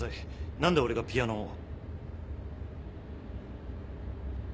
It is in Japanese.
何で俺がピアノを？